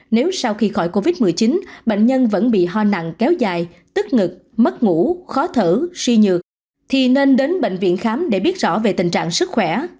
nếu sau khi khỏi covid một mươi chín bệnh nhân vẫn bị ho nặng kéo dài tức ngực mất ngủ khó thở suy nhược thì nên đến bệnh viện khám để biết rõ về tình trạng sức khỏe